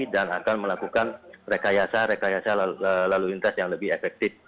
dan akan melakukan rekayasa rekayasa lalu lintas yang lebih efektif